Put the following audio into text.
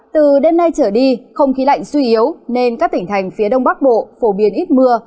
từ đêm nay trở đi không khí lạnh suy yếu nên các tỉnh thành phía đông bắc bộ phổ biến ít mưa